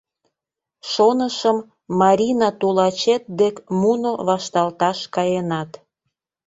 — Шонышым, Марина тулачет дек муно вашталташ каенат.